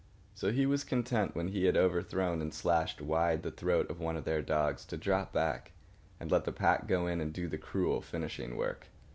So he was content, when he had overthrown and slashed wide the throat of one of their dogs, to drop back and let the pack go in and do the cruel finishing work.